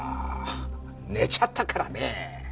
寝ちゃったからね。